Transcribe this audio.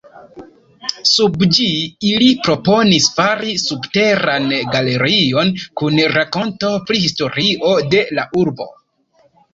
Sub ĝi ili proponis fari subteran galerion kun rakonto pri historio de la urbo.